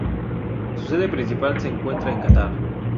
Su sede principal se encuentra en Qatar.